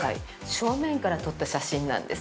正面から撮った写真なんです。